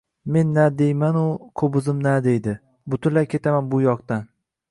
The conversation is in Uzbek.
— «Men na deymanu, qo‘bizim na deydi!» Butunlay ketaman bu yoqlardan…